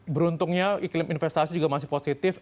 beruntungnya iklim investasi juga masih positif